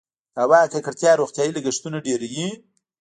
د هوا ککړتیا روغتیايي لګښتونه ډیروي؟